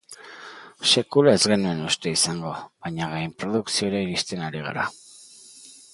Sekula ez genuen uste izango, baina gainprodukziora iristen ari gara.